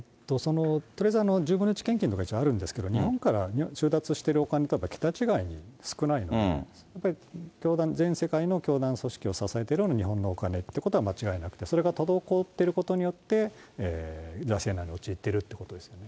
とりあえず１０分の１献金とか一応あるんですけど、日本から収奪しているお金とは桁違いに少ないんで、教団、全世界の教団組織を支えているのは、日本のお金ということは間違いなくて、それが滞っていることによって、財政難に陥っているということですね。